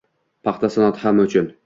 paxta sanoati hamma uchun